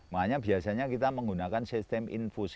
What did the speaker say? makanya biasanya kita menggunakan sistem infus